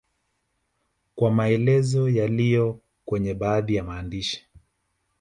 kwa maelezo yaliyo kwenye baadhi ya maandishi